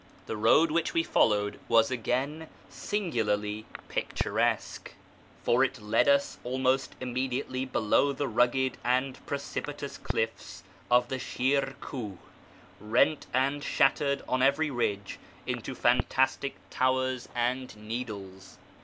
The road which we followed was again singularly pictur esque, for it led us almost immediately below the rugged and precipitous cliffs of the Shir Kuh, rent and shattered on every ridge into fantastic towers and needles.